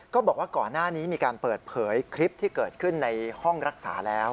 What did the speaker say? ก็บอกว่าก่อนหน้านี้มีการเปิดเผยคลิปที่เกิดขึ้นในห้องรักษาแล้ว